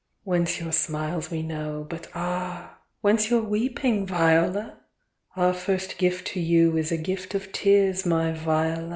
Whence your smiles we know, but ah? Whence your weeping, Viola?— Our first gift to you is a Gift of tears, my Viola!